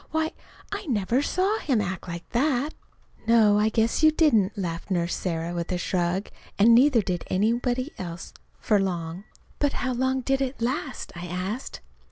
"Why, I never saw him act like that!" "No, I guess you didn't," laughed Nurse Sarah with a shrug. "And neither did anybody else for long." "But how long did it last?" I asked.